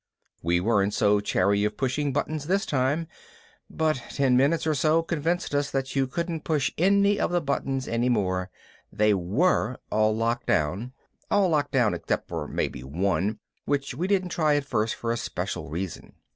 We weren't so chary of pushing buttons this time, but ten minutes or so convinced us that you couldn't push any of the buttons any more, they were all locked down all locked except for maybe one, which we didn't try at first for a special reason.